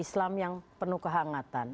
islam yang penuh kehangatan